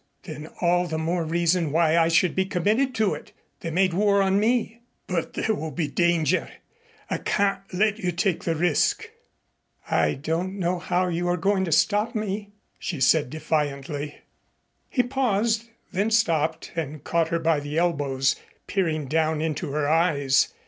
"Then all the more reason why I should be committed to it. They made war on me." "But there will be danger. I can't let you take the risk." "I don't know how you are going to stop me," she said defiantly. He paused, then stopped and caught her by the elbows, peering down into her eyes.